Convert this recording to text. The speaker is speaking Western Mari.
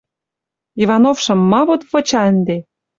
Ивановшым ма вот выча ӹнде